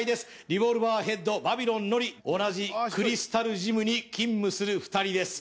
リボルバー・ヘッドバビロンノリ同じクリスタルジムに勤務する２人です